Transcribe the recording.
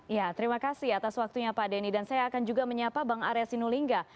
ya terima kasih atas waktunya pak denny dan saya akan juga menyapa bang arya sinulinga